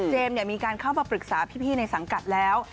มีการเข้ามาปรึกษาพี่ในสังกัดแล้ว